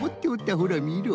ほらみろ。